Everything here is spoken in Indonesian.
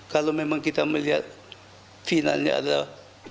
kalau memang kita melihat finalnya adalah